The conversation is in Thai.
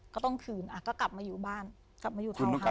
ก็ต้องคืนก็กลับมาอยู่บ้านกลับมาอยู่ทำงาน